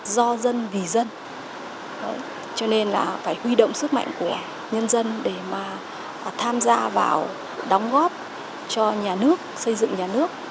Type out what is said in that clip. do dân vì dân cho nên là phải huy động sức mạnh của nhân dân để mà tham gia vào đóng góp cho nhà nước xây dựng nhà nước